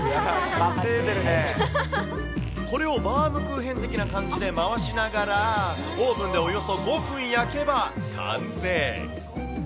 これをバウムクーヘン的な感じで回しながら、オーブンでおよそ５分焼けば完成。